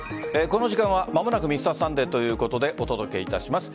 この時間は「まもなくＭｒ．サンデー」ということでお届けいたします。